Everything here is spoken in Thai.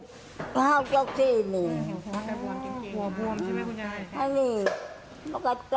เราต้องตีโ้า